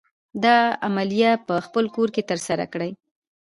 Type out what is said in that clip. دا عملیه په خپل کور کې تر سره کړئ.